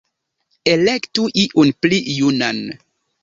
Elektu iun pli junan!".